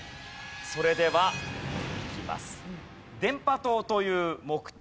それではいきます。